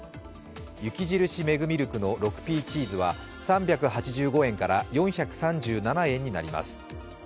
雪印メグミルクの６Ｐチーズは３８５円から４３７円になります。